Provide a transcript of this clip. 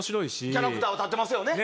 キャラクターが立ってますよね。